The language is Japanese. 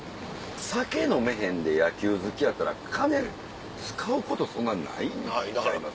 酒飲めへんで野球好きやったら金使うことそんなないんちゃいます？